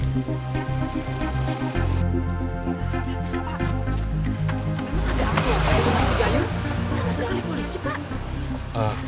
kami mendapat laporan mengenai hewan liar yang lepas semalam